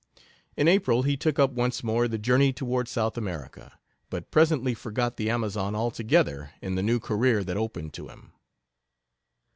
In April he took up once more the journey toward South America, but presently forgot the Amazon altogether in the new career that opened to him.